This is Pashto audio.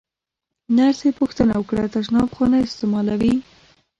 نرسې پوښتنه وکړه: تشناب خو نه استعمالوې؟